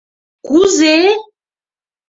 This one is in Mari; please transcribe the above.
— К-кузе-е?..